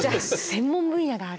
専門分野がある。